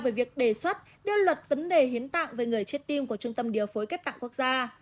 về việc đề xuất đưa luật vấn đề hiến tạng về người chết tim của trung tâm điều phối ghép tạng quốc gia